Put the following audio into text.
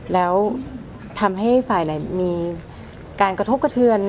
แล้วทำให้ฝ่ายไหนมีการกระทบกระเทือน